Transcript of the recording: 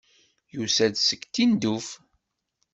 Yusa-d seg Tinduf.